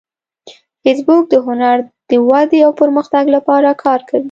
فېسبوک د هنر د ودې او پرمختګ لپاره کار کوي